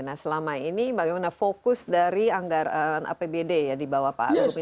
nah selama ini bagaimana fokus dari anggaran apbd ya di bawah pak ruben